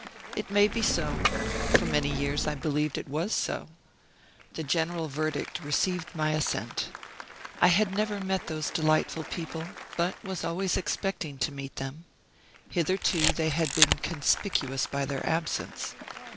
It may be so. For many years I believed it was so. The general verdict received my assent. I had never met those delightful people, but was always expecting to meet them. Hitherto they had been conspicuous by their absence.